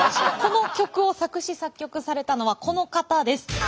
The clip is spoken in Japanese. この曲を作詞作曲されたのはこの方です。